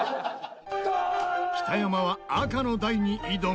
北山は赤の台に挑む。